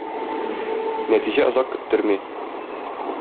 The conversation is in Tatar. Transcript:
Нәтиҗә озак көттерми.